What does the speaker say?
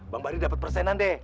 bang bari dapat persenan deh